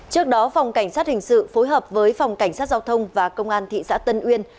trước đó phòng cảnh sát hình sự phối hợp với phòng cảnh sát giao thông và công an thị xã tân uyên